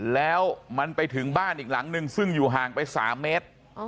แล้วมันไปถึงบ้านอีกหลังนึงซึ่งอยู่ห่างไป๓เมตร